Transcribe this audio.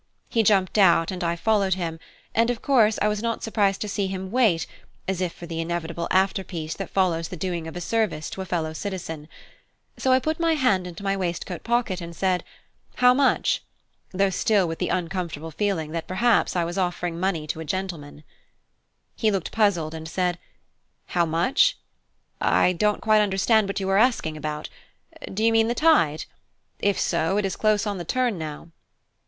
He jumped out and I followed him; and of course I was not surprised to see him wait, as if for the inevitable after piece that follows the doing of a service to a fellow citizen. So I put my hand into my waistcoat pocket, and said, "How much?" though still with the uncomfortable feeling that perhaps I was offering money to a gentleman. He looked puzzled, and said, "How much? I don't quite understand what you are asking about. Do you mean the tide? If so, it is close on the turn now."